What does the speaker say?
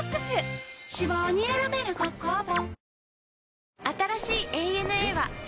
脂肪に選べる「コッコアポ」